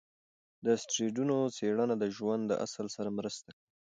د اسټروېډونو څېړنه د ژوند د اصل سره مرسته کوي.